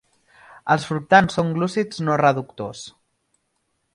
Els fructans són glúcids no reductors.